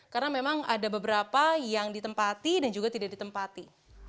karena memang ada beberapa yang ditempati dan juga tidak ditempati